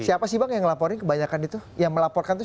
siapa sih bang yang melaporkan itu